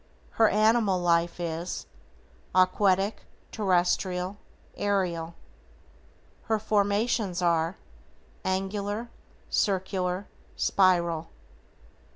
Her animal life is: Aquatic, Terrestrial, Aerial. Her formations are: Angular, Circular, Spiral.